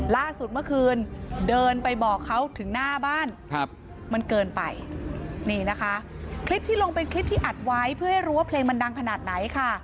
ล่าสุดเมื่อคืนเดินไปบอกเขาถึงหน้าบ้านมันเกินไปนี่นะคะคลิปที่ลงเป็นคลิปที่อัดไว้เพื่อให้รู้ว่าเพลงมันดังขนาดไหนค่ะ